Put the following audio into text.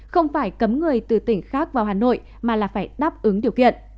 không phải cấm người từ tỉnh khác vào hà nội mà là phải đáp ứng điều kiện